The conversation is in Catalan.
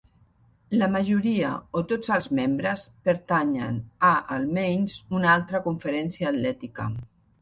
La majoria o tots els membres pertanyen a almenys una altra conferència atlètica.